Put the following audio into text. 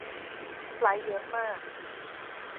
ไฟลท์เยอะมาก